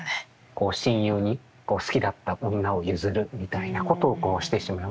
こう親友に好きだった女を譲るみたいなことをこうしてしまう。